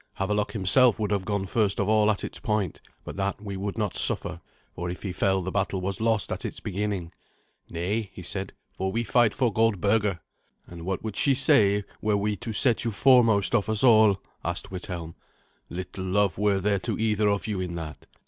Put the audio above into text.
Havelok himself would have gone first of all at its point: but that we would not suffer, for if he fell the battle was lost at its beginning. "Nay," he said, "for we fight for Goldberga." "And what would she say were we to set you foremost of us all?" asked Withelm. "Little love were there to either of you in that.